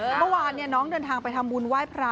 เมื่อวานน้องเดินทางไปทำบุญไหว้พระ